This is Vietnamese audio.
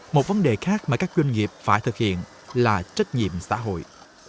một vấn đề khác mà các doanh nghiệp phải thực hiện là trách nhiệm xã hội